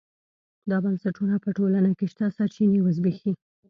دا بنسټونه په ټولنه کې شته سرچینې وزبېښي.